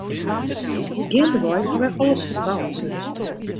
Geandewei ha we alles ferboud.